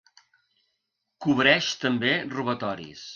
Cobreix també robatoris.